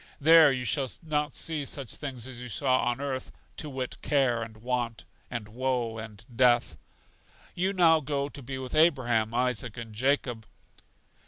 There you shall not see such things as you saw on earth, to wit, care and want, and woe and death. You now go to be with Abraham, Isaac, and Jacob.